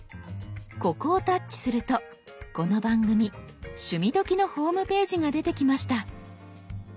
ここをタッチするとこの番組「趣味どきっ！」のホームページが出てきました。